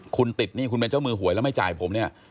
คุณติดหนี้คุณเป็นเจ้ามือหวยแล้วไม่จ่ายผมเนี่ย